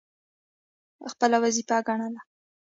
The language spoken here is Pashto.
خپله وظیفه ګڼله.